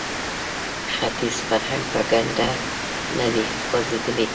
ختیز فرهنګ په کنده نه دی غورځېدلی